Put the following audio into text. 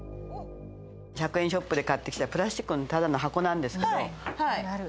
１００円ショップで買ってきた、プラスチックのただの箱なんですけども。